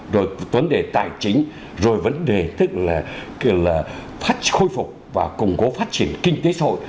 rồi vấn đề tài chính rồi vấn đề tức là khôi phục và củng cố phát triển kinh tế xã hội